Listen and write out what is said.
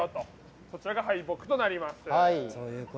そちらが敗北となります。